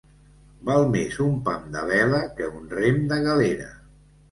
Val més un pam de vela que un rem de galera.